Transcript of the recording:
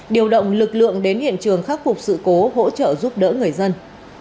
điều động lực lượng đến hiện trường khắc phục sự cố hỗ trợ giúp đỡ người dân